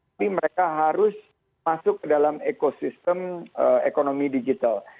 tapi mereka harus masuk ke dalam ekosistem ekonomi digital